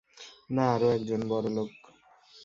না, আরো একজন বড়ো লোক।